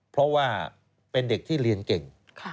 เพราะว่าเป็นเด็กที่เรียนเก่ง